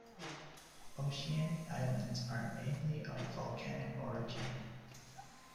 Oceanic islands are mainly of volcanic origin.